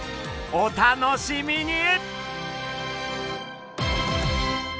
お楽しみに！